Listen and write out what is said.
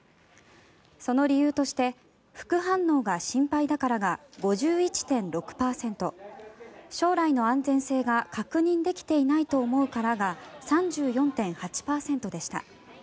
その理由として副反応が心配だからが５１．６％将来の安全性が確認できていないと思うからが３４．８％でした。